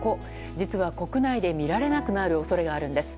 実は、国内で見られなくなる恐れがあるんです。